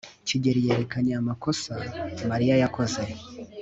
kigeri yerekanye amakosa mariya yakoze